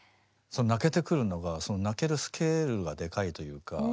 泣けてくるのが泣けるスケールがでかいというか。